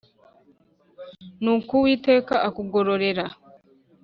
Nuko Uwiteka akugororere